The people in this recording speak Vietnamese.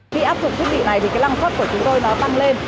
khi áp dụng thiết bị này thì cái lăng suất của chúng tôi nó tăng lên